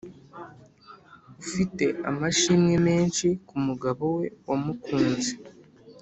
ufite amashimwe menshi ku mugabo we wamukunze